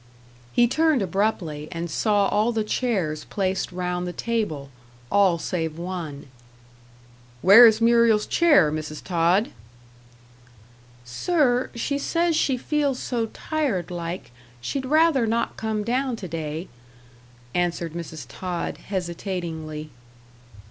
He turned abruptly, and saw all the chairs placed round the table all save one. "Where is Muriel's chair, Mrs. Tod?" "Sir, she says she feels so tired like, she'd rather not come down to day," answered Mrs. Tod, hesitatingly.